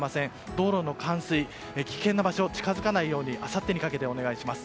道路の冠水、危険な場所に近づかないようにあさってにかけて、お願いします。